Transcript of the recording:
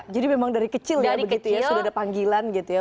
jadi memang dari kecil sudah ada panggilan